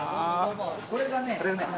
これがね